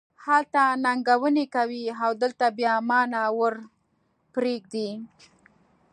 هلته ننګونې کوې او دلته بیا ما نه ور پرېږدې.